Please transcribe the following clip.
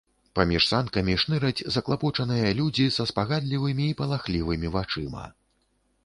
Паміж санкамі шныраць заклапочаныя людзі са спагадлівымі і палахлівымі вачыма.